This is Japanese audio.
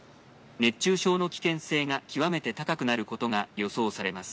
熱中症の危険性が極めて高くなることが予想されます。